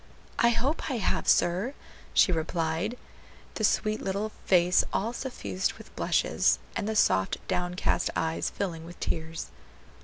"I hope I have, sir," she replied, the sweet little face all suffused with blushes, and the soft, downcast eyes filling with tears.